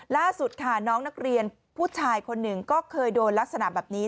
ล่าสุดค่ะน้องนักเรียนผู้ชายคนหนึ่งก็เคยโดนลักษณะแบบนี้